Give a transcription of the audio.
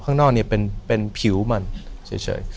ข้างรอเนี่ยเป็นเป็นผิวมันเฉย